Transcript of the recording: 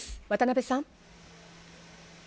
渡邊さん。